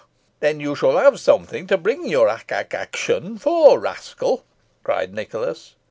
"Then you shall have something to bring your ac ac action for, rascal," cried Nicholas.